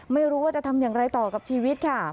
ไม่รู้ว่าจะทำอย่างไรต่อกับชีวิตค่ะ